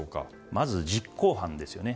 まず実行犯ですよね。